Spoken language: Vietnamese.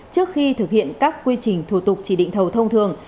trước khi thực hiện các quy trình thủ tục chỉ định thầu thông thường